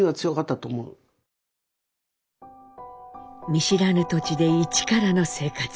見知らぬ土地で一からの生活。